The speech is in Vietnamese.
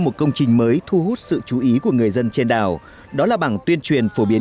một công trình mới thu hút sự chú ý của người dân trên đảo đó là bảng tuyên truyền phổ biến